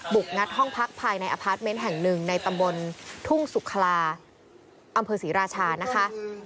งัดห้องพักภายในอพาร์ทเมนต์แห่งหนึ่งในตำบลทุ่งสุขลาอำเภอศรีราชานะคะ